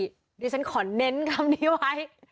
เดี๋ยวฉันขอเน้นคำนี้ไว้